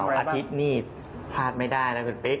โอ้โฮแล้วเสาร์อาทิตย์นี่พลาดไม่ได้นะคุณปิ๊ก